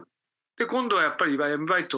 今度はやっぱり闇バイト